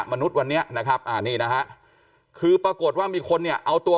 มนุษย์วันนี้นะครับอ่านี่นะฮะคือปรากฏว่ามีคนเนี่ยเอาตัว